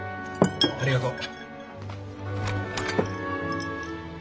ありがとう。